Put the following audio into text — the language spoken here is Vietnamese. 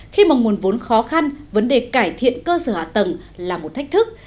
khi mà nguồn vốn khó khăn vấn đề cải thiện cơ sở hạ tầng là một thách thức